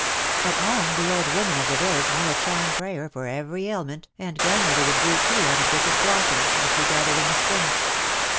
At home the old women of the village knew a charm prayer for every ailment and grandmother would brew tea out of different blossoms which we gathered in the spring.